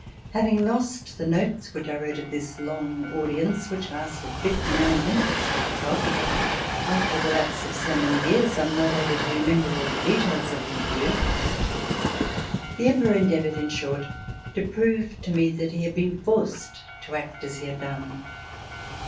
Having lost the notes which I wrote of this long audience which lasted fifty nine minutes by the clock, after the lapse of so many years I am not able to remember all the details of the interview. The Emperor endeavored, in short, to prove to me that he had been forced to act as he had done.